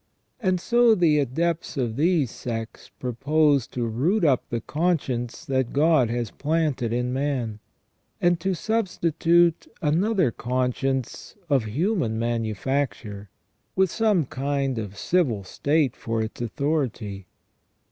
And so the adepts of these sects propose to root up the conscience that God has planted in man, and to substitute another conscience of human manufacture, with some kind of civil state for its authority.